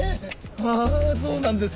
あぁそうなんです。